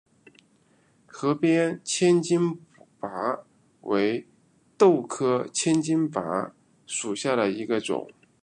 河边千斤拔为豆科千斤拔属下的一个种。